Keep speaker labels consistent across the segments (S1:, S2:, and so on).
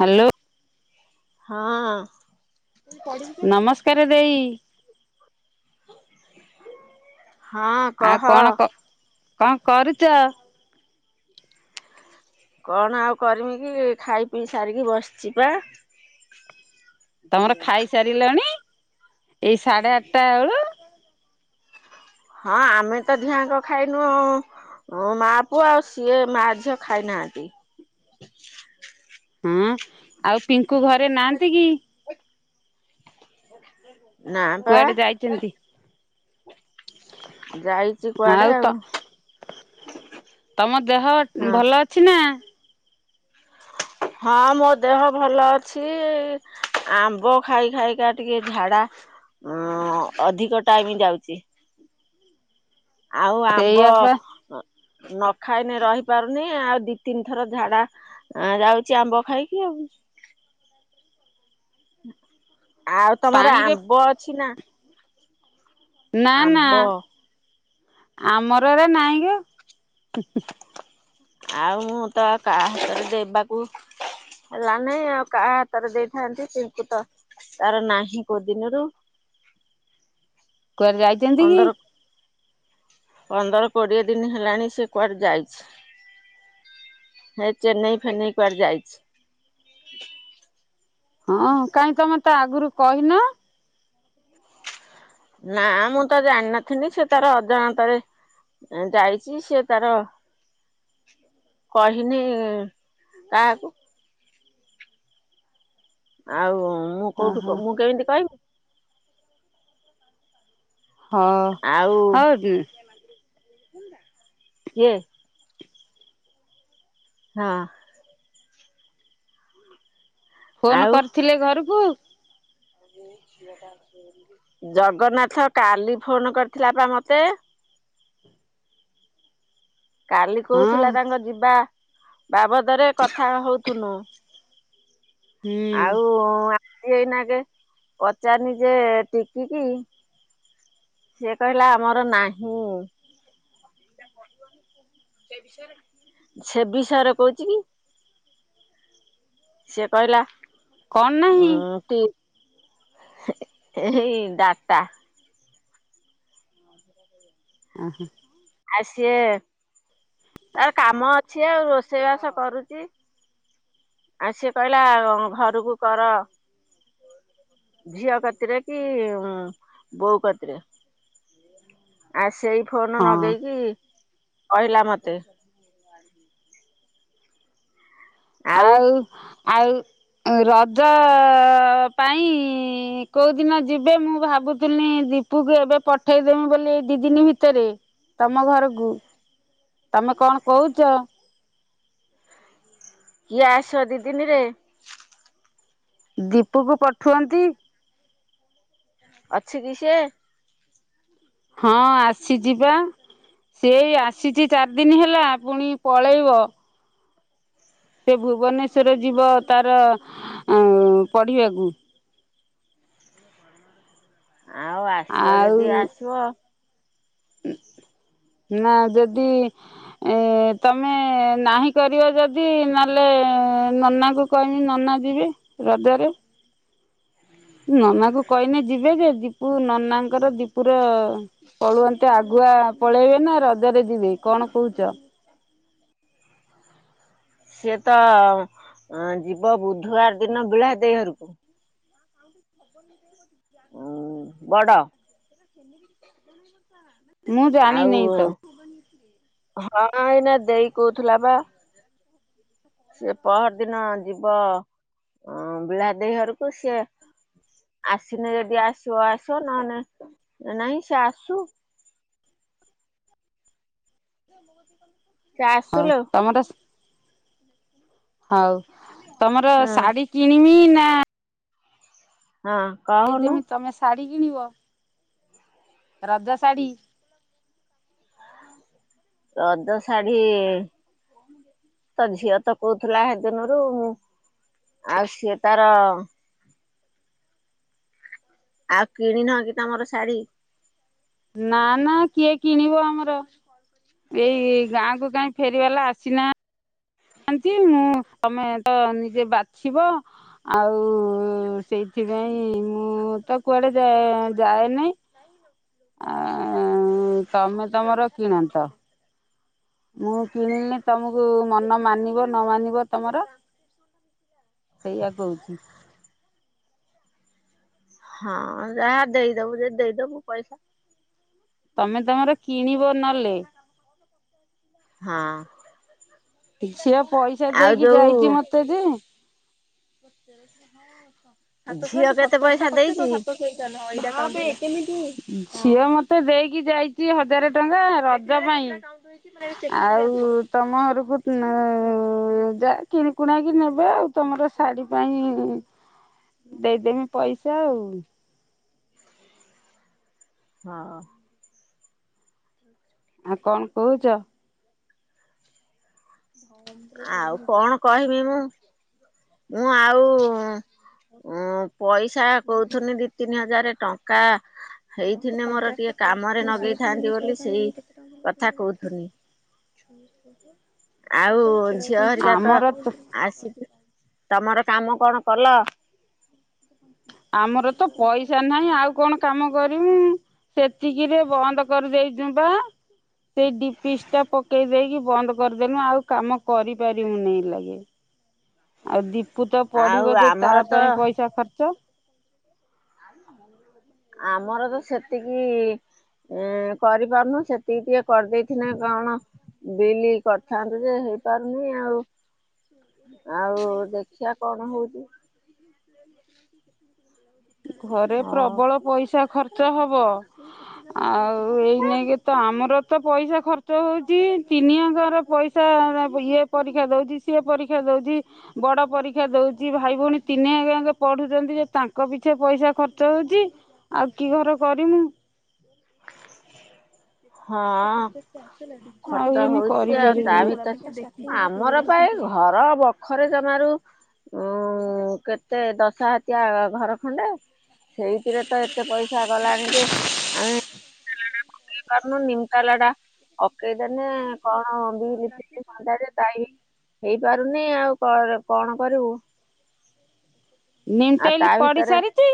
S1: Hello ନମସ୍କାର ଦେଇ।
S2: ହଁ
S1: ଆଉ
S2: କହ
S1: କଣ କ କଣ କରୁଛ?
S2: କଣ ଆଉ କରିମି କି ଖାଇ ପିଇ ସାରିକି ବସିଛି ପା।
S1: ତମର ଖାଇସାରିଲଣି ଏଇ ସାଢେ ଆଠଟା ଆଲୁ?
S2: ହଁ ଆମେ ଧିଆଁଙ୍କ ଖାଇନୁ। ହଁ ମା ପୁଅ ଆଉ ସିଏ ମା ଝିଅ ଖାଇନାହାନ୍ତି।
S1: ହୁଁ ଆଉ ପିଙ୍କୁ ଘରେ ନାହାନ୍ତି କି?
S2: ନା ପା
S1: କୁଆଡେ ଯାଇଛନ୍ତି?
S2: ଯାଇଛି କୁଆଡେ ଆଉ।
S1: ତମ ଦେହ
S2: ହଁ
S1: ଭଲ ଅଛି ନା? ହ [inaudible]
S2: ହଁ ମୋ ଦେହ ଭଲ ଅଛି। ଆମ୍ବ ଖାଇ ଖାଇକା ଟିକେ ଝାଡା ଅଧିକ ଟାଇମିଂ ଯାଉଛି। ଆଉ ଆମ୍ବ
S1: ସେଇଆପା
S2: ନ ଖାଇନ ରହି ପାରୁନି ଆଉ ଦି ତିନି ଥର ଝାଡା। ଆ ଯାଉଛି ଆମ୍ବ ଖାଇଖି ଆଉ। ଆଉ ତମର
S1: ପାଣିରେ
S2: ଆମ୍ବ ଅଛି ନା?
S1: ନା ନା
S2: ଆମ୍ବ
S1: ଆମର ଏରା ନାହିଁ ଗୋ।
S2: ଆଉ ମୁଁ ତ କାହା ହାତରେ ଦେବାକୁ ହେଲା ନାଇଁ ଆଉ କାହା ହାତରେ ଦେଇଥାନ୍ତି ପିଙ୍କୁ ତ ତାର ନାହିଁ କୋଉ ଦିନରୁ।
S1: କୁଆରେ ଯାଇଛନ୍ତି କି?
S2: ପନ୍ଦର ପନ୍ଦର କୋଡ଼ିଏ ଦିନି ହେଲାଣି ସେ କୁଆଡ଼େ ଯାଇଛି। ହେ ଚେନ୍ନାଇ ଫେନେଇ କୁଆଡେ ଯାଇଛି।
S1: ହଁ କାଇଁ ତମେ ତ ଆଗରୁ କହିନ?
S2: ନା ମୁଁ ତ ଜାଣିନଥିଲି ସେ ତାର ଅଜାଣତାରେ ଯାଇଛି ସିଏ ତାର କହିନି କାହାକୁ। ଆଉ ମୁଁ କୋଉଠୁ
S1: ଓହୋ
S2: ମୁଁ କେମିତି କହିବି।
S1: ହଉ
S2: ଆଉ
S1: ହଉ
S2: କିଏ? ହଁ।
S1: ଫୋନ କରିଥିଲେ ଘରକୁ?
S2: ହୁଁ। ଜଗନ୍ନାଥ କାଲି ଫୋନ କରିଥିଲା ପା ମତେ। କାଲି
S1: ହଁ
S2: କହୁଥିଲା ତାଙ୍କ ଯିବା ବାବଦରେ କଥା ହଉଥୁନୁ।
S1: ହୁଁ।
S2: ଆଉ ଆଜି ଏଇନାଗେ ପଚାରିନି ଯେ ଟିକିକି ସିଏ କହିଲା ଆମର ନାହିଁ। ସେ ବିଷୟରେ କହୁଛି କି? ସିଏ କହିଲା
S1: କଣ ନାହିଁ
S2: ହଁ ଏଇ ଡାଟା। [inaudible]
S1: ଆ ହାଁ
S2: ଆ ସିଏ ତାର କାମ ଅଛି ଆଉ ରୋଷେଇବାସ କରୁଚି। ଆଉ ସିଏ କହିଲା ଘରକୁ କର। ଝିଅ କତିରେ କି ବୋଉ କତିରେ। ଆ ସେଇ ଫୋନ
S1: ହଁ
S2: ଲଗେଇକି କହିଲା ମତେ।
S1: ଆଉ ଆଉ ରଜ ଅ-ଅ-ଅ ପାଇଁ ଇ-ଇ-ଇ କେଉଁଦିନ ଯିବେ ମୁଁ ଭାବୁଥିନି ଦି ପୁ କୁ ଏବେ ପଠେଇଦେମି ବୋଲି ଏ ଦି ଦିନ ଭିତରେ, ତମ ଘରକୁ। ତମେ କଣ କହୁଚ?
S2: କିଏ ଆସିବ ଦି ଦିନି ରେ?
S1: ଦୀପୁକୁ ପଠୁଅନ୍ତି।
S2: ଅଛି କି ସିଏ?
S1: ହଁ, ଆସିଚିବା। ସେ ଏ ଆସିଚି ଚାରିଦିନ ହେଲା, ପୁଣି ପଳେଇବ। ସେ ଭୁବନେଶ୍ଵର ଯିବ ଅ ତାର ପଢିବାକୁ।
S2: ଆଉ ଆସିବ ଯଦି,
S1: ଆଉ
S2: ଆସିଅ।
S1: ନା, ଯଦି ଏଁ ତମେ ନାହିଁ କରିବ ଯଦି, ନଏଲେ ନନାଙ୍କୁ କହିବି ନନା ଯିବେ ରଜରେ। ନନା କୁ କହିନେ ଯିବେ ଯେ, ଦୀପୁ, ନନାଙ୍କର ଦୀପୁର ପଳୁଅନ୍ତେ, ଆଗୁଆ ପଳେଇବେ ନା, ରଜରେ ଯିବେ କଣ କହୁଚ?
S2: ସିଏ ତ ଯିବ ଅ ବୁଧବାର ଦିନ ବିଳା ଦେଇ ଘରକୁ।
S1: [unintelligible]
S2: ବଡ଼।
S1: ଉଁ
S2: ଆଉ, ହଁ, ଏଇନା ଦେଇ କଉଥିଲା ପା। ସିଏ ପହରି ଦିନ ଯିବ ହଁ, ବିଳା ଦେଇ ଘରକୁ ସିଏ ଆସନେ ଯଦି ଆସିବ ଆସବ, ନହେଲେ ନାଇଁ ସେ ଆସୁ।
S1: [unintelligible]
S2: ସେ ଆସଲୋ।
S1: ଟମଟ ସ ହଉ, ତମର
S2: ହଁ
S1: ଶାଢୀ କିଣିବି ନା
S2: ହଁ। କହୁନୁ
S1: ଦେଇଦେମି ତମେ ଶାଢୀ କିଣିବ, ରଜ ଶାଢୀ।
S2: ରଜ ଶାଢ଼ୀ ତ ଝିଅ ତ କହୁଥିଲା ହେଦିନରୁ, ଆଉ ସିଏ ତାର ଆଉ କିଣି ନହ କି ତମର ଶାଢୀ?
S1: ନା ନା, କିଏ କିଣିବ ଆମର। ଏଇ ଗାଁ କୁ କାଇଁ ଫେରିବାଲା ଆସିନା ନାନ୍ତି, ମୁଁ ତମେ ତ ନିଜେ ବାଛିବ। ଆଉ ସେଇଥିପାଇଁ, ମୁଁ ତ କୁଆଡେ ଯାଏ, ଯାଏନାଇ। ଆ ଆ, ତମେ ତମର କିଣନ୍ତ। ମୁଁ କିଣିଲେ ତମକୁ ମନ ମାନିବ ନ ମାନିବ ତମର? ସେଇଆ କହୁଚି।
S2: ହଁ, ଯାହା ଦେଇଦବୁ ଯଦି ଦେଇଦବୁ ପଇସା।
S1: ତମେ ତମର କିଣିବ ନଲେ।
S2: ହଁ।
S1: ଝିଅ ପଇସା
S2: ଆଉ
S1: ଦେଇକି ଯାଇଚି
S2: ଯୋଉ
S1: ମତେ ଯେ ହଁ, ସାତ ଶ,
S2: ଝିଅ
S1: ତ
S2: କେତେ
S1: ସାତଶଟା
S2: ପଇସା
S1: କରିଚି ତ
S2: ଦେଇଛି?
S1: ସାତ ଝିଅ ମତେ ଦେଇକି ଯାଇଚି ହଜାର ଟଙ୍କା, ର ରଜ ପାଇଁ ଆଉ ତମ ଘରକୁ ଯା କିଣିକୁଣାକି ନେବେ ଆଉ, ତମର ଶାଢ଼ୀ ପାଇଁ ଦେଇଦେମି ପଇସା ଆଉ।
S2: ହଁ,
S1: ଆଉ କଣ କହୁଛ?
S2: ଆଉ କଣ କହିବି ମୁଁ, ମୁଁ ଆଉ ଉଁ ପଇସା କହୁଥିନି ଦି ତିନି ହଜାର ଟଙ୍କା [unintelligible] ହେଇଥିନେ ମୋର ଟିକେ କାମରେ ନଗେଇଥାନ୍ତି ବୋଲି ସେଇକଥା କହୁଥିନି। ଆଉ ଝିଅ ହରିକା ତ ଆସିକି ତମର କାମ କଣ କଲ?
S1: ଆମର ତ ପଇସା ନାହିଁ, ଆଉ କଣ କାମ କରିମୁ? ସେତିକିରେ ବନ୍ଦ କରିଦେଇଁଚୁପା ସେଇ ଡିପିସ ଟା ପକେଇ ଦେଇେକି ବନ୍ଦ କରିଦେଲୁ ଆଉ କାମ କରିପାରିବୁନି ଏଇ ଲାଗେ। ଆଉ ଦୀପୁ ତ
S2: ଆଉ
S1: ପଢିବ ଯେ ତା
S2: ଆମର ତ
S1: ପାଇଁ ପଇସା ଖର୍ଚ୍ଚ।
S2: ଆ ଆମର ତ ସେତିକି ଏ କରିପାରୁନୁ ସେତିକି ଟିକେ କରିଦେଇଥିନେ କଣ? ବିଲି କରିଥାନ୍ତୁ ଯେ ହେଇପାରୁନି ଆଉ ଆଉ ଦେଖିଆ କଣ ହଉଛି?
S1: ଘରେ
S2: ହଁ
S1: ପ୍ରବଳ ପଇସା ଖର୍ଚ୍ଚ, ଖର୍ଚ୍ଚ ହବ। ଆଉ ଏଇ ନେଇକି ତ ଆମରତ ପଇସା ଖର୍ଚ୍ଚ ହଉଛି ତିନି ଆଙ୍କର ପଇସା [inaudible] ଇଏ ପରୀକ୍ଷା ଦଉଛି, ସିଏ ପରୀକ୍ଷା ଦଉଛି ବଡ ପରୀକ୍ଷା ଦଉଛି, ଭାଇ ଭଉଣୀ ତିନିହାଙ୍କେ ପଢୁଛନ୍ତି ଯେ ତାଙ୍କ ପିଛେ ପଇସା ଖର୍ଚ୍ଚ ହଉଛି। ଆଉ କି ଘର କରିମୁ। [inaudible]
S2: ହଁ
S1: ଆଉ
S2: ଖର୍ଚ୍ଚ
S1: ଏଇନେ
S2: ହଉଛି ଆଉ ତା
S1: କରିପାରିବିନି।
S2: ଭିତରେ, ଆମର ପା ଏଘର ବଖ ଖରେ ଜମାରୁ ଉଁ କେତେ ଦଶ ହାତିଆ ଘର ଖଣ୍ଡେ। ସେଇଥିରେ ତ ଏତେ ପଇସା ଗଲାଣି ଯେ ଆମେ, [unintelligible] [unintelligible] ହେଇପାରୁନି ଆଉ କଣ କରିବୁ? ଆ
S1: ନିଣ୍ଟେଲି
S2: ତା
S1: ପଢି
S2: ଭିତରେ
S1: ସାରିଛି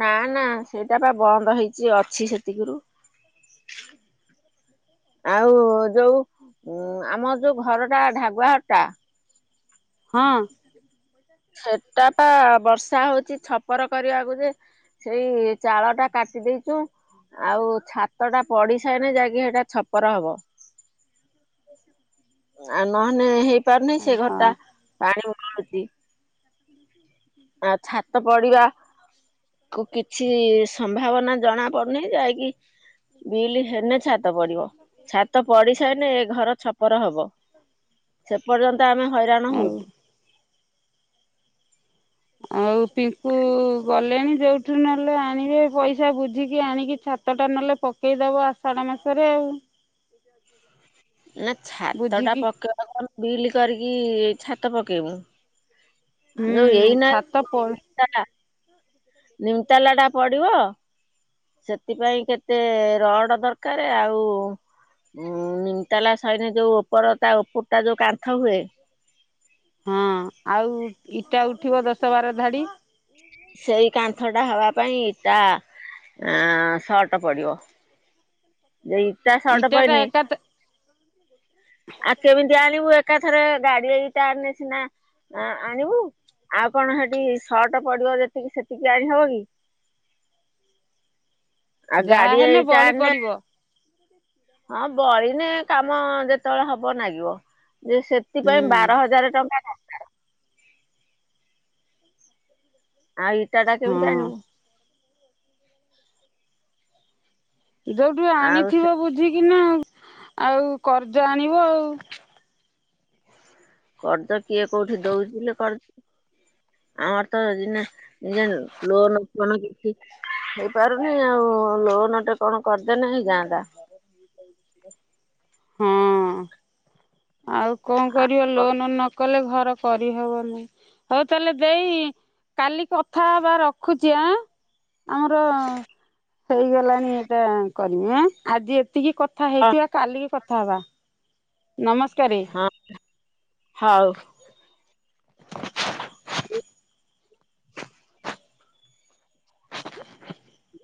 S2: ନା ନା ସେଇଟା ବା ବନ୍ଦ ହେଇଛି ଅଛି ସେତିକିରୁ ଆଉ ଯୋଉ ଉଁ ଆମ ଯୋଉ ଘରଟା ଢାଗୁଆ ଘରଟା
S1: ହଁ
S2: ସେଟାପା ବର୍ଷା ହଉଚି ଛପର କରିବାକୁ ଯେ, ସେଇ ଚାଳଟା କାଟି ଦେଇଚୁଁ ଆଉ ଛାତ ଟା ପଡିସାଇନେ ଯାଇକି ହେଟା ଛପର ହବ। ଆଉ ନହେନେ ହେଇପାରୁନି ସେ
S1: ହଁ
S2: ଘରଟା ପାଣି ଗଳୁଛି।
S1: [inaudible]
S2: ଛାତ ପଡିବା, କିଛି ସମ୍ଭାବନା ଜଣା ପଡୁନି ଯାଇକି - - ବିଲ ହେନେ ଛାତ ପଡିବ, ଛାତ ପଡି ସାଇନେ ଏ ଘର ଛପର ହବ। ସେ ପର୍ଯ୍ୟନ୍ତ ଆମେ ହଇରାଣ
S1: ଆଉ
S2: ହଉଛୁ।
S1: ଆଉ ପିଙ୍କୁ ଗଲେଣି ଯେଉଠୁ ନହେଲେ ଆଣିବେ ପଇସା ବୁଝିକି ଆଣିକି ଛାତଟା ନଲେ ପକ ପକେଇଦବ ଆଷାଢ ମାସରେ ଆଉ
S2: ନା ଛାତ ଟା
S1: ବୁଝିକି
S2: ପକେଇବା କଣ ବିଲ କରିକି ଛାତ ପକେଇବୁ
S1: ହୁଁ
S2: ଯୋଉ ଏଇ ନା
S1: ଛାତ ପ
S2: ନିମତାଲା ନିମତାଲା ଟା ପଡିବ। ସେଥିପାଇଁ କେତେ ରଡ଼ ଦରକାର ଆଉ ହୁଁ ନିଉଉ୍ଟ୍ରାଲ ସଇଲେ ଯଉ ଉପର ତା ଉପରଟା ଯେୋଉ କାନ୍ଥ ହୁଏ
S1: ହଁ ଆଉ ଇଟା ଉଠିବ ଦଶ ବାର ଧାଡି।
S2: ସେଇ କାନ୍ଥଟା ହେବା ପାଇଁ ଇଟା ସର୍ଟ ପଡ଼ିବ। ଏଇ ଇଟା ସଟ
S1: ଇଟାଟା
S2: ପଇନେ
S1: ଏକା [inaudible]
S2: ଆ କେମିତି ଆଣିବୁ ଏକାଥର ଗାଡି ଏଇ ଇଟା ଆଣିଲେ ସିନା ଆଣିବୁ ଆଉ କଣ ସେଠି ସଟ ପଡିବ ଯେତିକି ସେତିକି ଆଣିହବ କି? ଆଉ
S1: ଯାହା
S2: ଗାଡି
S1: ହେନେ
S2: ଏଇଟା
S1: ବଳି
S2: ଆଣିଲେ
S1: ପଡିବ।
S2: ହଁ ବଳିିନେ କାମ ଯେତେବେଳେ ହବ ଲାଗିବ ଯେ ସେ
S1: ହୁଁ
S2: ସେଥିପାଇଁ ବାର ହଜାର ଟଙ୍କା ଖା ଆଉ ଇଟା ଟା କେମିତି
S1: ହଁ
S2: ଆଣିବୁ?
S1: ଯୋଉଠୁ
S2: ଆଉ ସେ
S1: ଆଣିଥିବ ବୁଝିକିନା ଆଉ କରଜ ଆଣିବ ଆଉ।
S2: କରଜ କିଏ କୋଉଠି ଦେଉଚି ଲୋ କରଜ ଆମର ତ ଏଇନା [unintelligible] ଲୋନ ଫୋନ କିଛି ହେଇପାରୁନି ଆଉ ଲୋନଟେ କଣ କରି ଦେନେ ହେଇଯାନ୍ତା।
S1: ହଁ ଆଉ କଣ କରିବା ଲୋନ ନ କଲେ ଘର କରିହେବ ନେଇଁ। ହଉ ତାହେଲେ ଦେଇ କାଲି କଥା ହେବା ରଖୁଚି। ଆଁ? ଆମର ହେଇଗଲାଣି ଏଇଟା କରିମି ଆଁ। ଆଜି ଏତିକି କଥା ହେଇଥିବା କାଲିକି କଥା ହବା ନମସ୍କାର।
S2: ହଁ ହଉ। [inaudible]
S1: [inaudible]